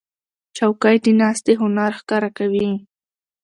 چوکۍ د ناستې هنر ښکاره کوي.